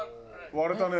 割れたね。